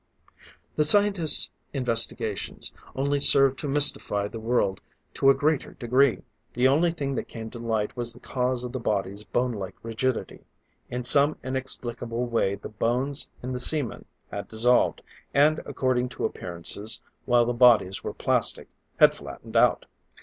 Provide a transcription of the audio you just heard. The scientists' investigations only served to mystify the world to a greater degree. The only thing that came to light was the cause of the bodies' bonelike rigidity. In some inexplicable way the bones in the seamen had dissolved, and according to appearances, while the bodies were plastic, had flattened out.